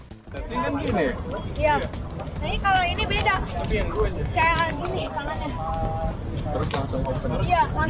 tetingan gini ya